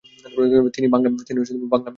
তিনি বাংলা লেখাপড়া শেখেন।